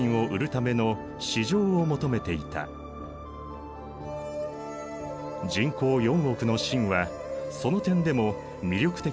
人口４億の清はその点でも魅力的だったのだ。